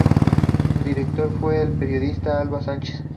Su directora fue la periodista Alba Sánchez.